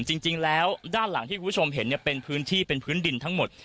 จริงแล้วด้านหลังที่คุณผู้ชมเห็นเป็นพื้นที่เป็นพื้นดินทั้งหมด